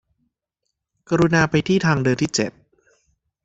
กรุณาไปที่ทางเดินที่เจ็ด